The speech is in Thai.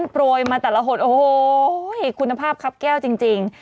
โปรยมาแต่ละหดโอ้โหคุณภาพครับแก้วจริง